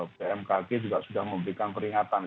bmkg juga sudah memberikan peringatan